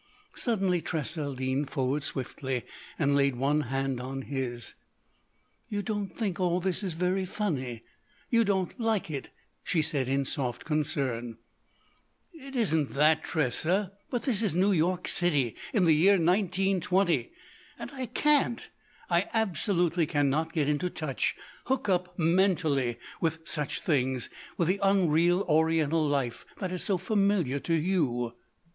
Suddenly Tressa leaned forward swiftly and laid one hand on his. "You don't think all this is very funny. You don't like it," she said in soft concern. "It isn't that, Tressa. But this is New York City in the year 1920. And I can't—I absolutely can not get into touch—hook up, mentally, with such things—with the unreal Oriental life that is so familiar to you."